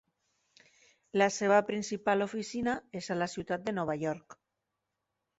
La seva principal oficina és a la ciutat de Nova York.